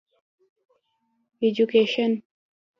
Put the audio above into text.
ايجوکيشن